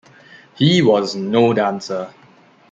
He was no dancer.